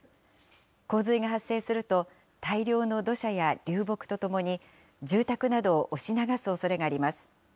洪水が発生すると、大量の土砂や流木とともに、住宅などを押し流すおそれがあります。